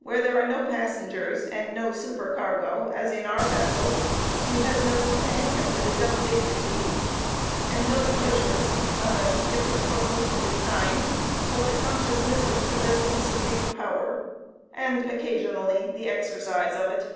Where there are no passengers and no supercargo, as in our vessel, he has no companion but his own dignity, and no pleasures, unless he differs from most of his kind, but the consciousness of possessing supreme power and, occasionally, the exercise of it.